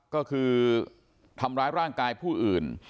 ก็คือทำร้ายร่างกายผู้อื่น